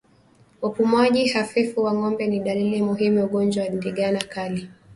Upumuaji hafifu wa ngombe ni dalili muhimu ya ugonjwa wa ndigana kali